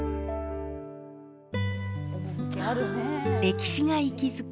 歴史が息づく